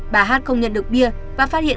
bà hát không nhận được bia và phát hiện